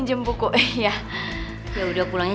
sampai jumpa lagi